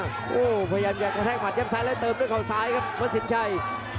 โหพยายามจะแกะแทงหมัดจำไซด์เลยเติมด้วยเขาซ้ายครับพอสินชัย